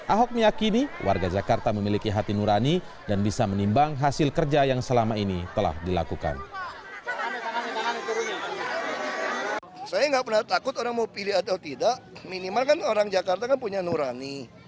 ahok meyakini warga jakarta memiliki hati nurani dan bisa menimbang hasil kerja yang selama ini telah dilakukan